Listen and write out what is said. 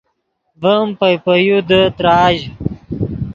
ڤیم پئے پے یو دے تراژ